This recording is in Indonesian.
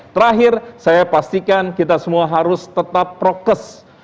terakhir saya pastikan kita semua harus tetap prokes